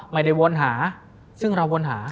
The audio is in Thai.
ไม่ได้วนหาซึ่งเราวนหา